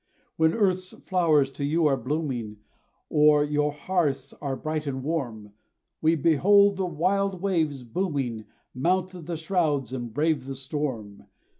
When earth's flowers to you are blooming, Or your hearths are bright and warm; We behold the wild waves booming, Mount the shrouds, and brave the storm.